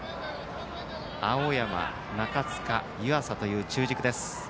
青山、中塚、湯浅という中軸です。